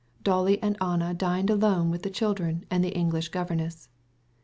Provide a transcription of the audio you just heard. Dolly and Anna dined alone with the children and the English governess.